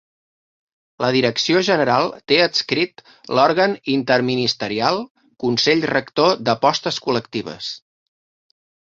La direcció general té adscrit l'òrgan interministerial Consell Rector d'Apostes Col·lectives.